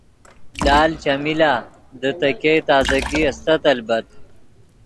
لال چیمی لا دے ګئے تازگی استت البت